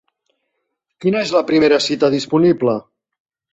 Quina és la primera cita disponible?